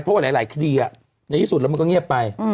เพราะว่าหลายคดีในที่สุดแล้วมันก็เงียบไป